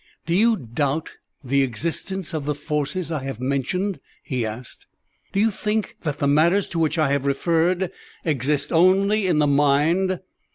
"Do you doubt the existence of the forces I have mentioned?" he asked. "Do you think that the matters to which I have referred exist only in the mind?